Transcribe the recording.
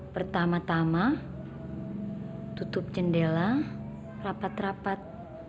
pertama tama tutup jendela rapat rapat